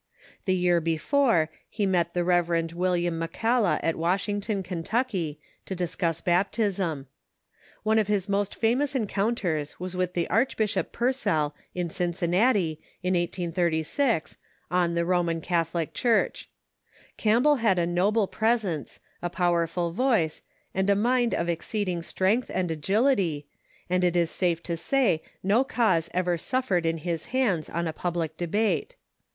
The year before, he met the Rev. William McCalla at Washington, Kentuck}^ to discuss baptism. One of his most famous en counters was with Arclibishop Purcell in Cincinnati, in 183G, on the Roman Catholic Church. Campbell had a noble pres ence, a powerful voice, and a mind of exceeding strength and agility, and it is safe to say no cause ever sufiered in his hands on a public debate.